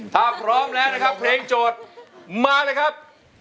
ถ้าพร้อมแล้วนะครับเพลงโจทย์มาเลยครับ